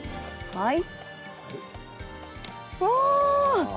はい。